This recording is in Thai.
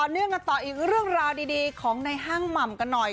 เนื่องกันต่ออีกเรื่องราวดีของในห้างหม่ำกันหน่อย